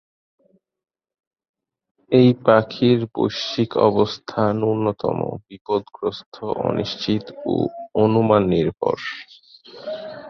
এই পাখির বৈশ্বিক অবস্থা ন্যূনতম বিপদগ্রস্ত, অনিশ্চিত ও অনুমান নির্ভর।